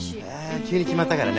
急に決まったからね。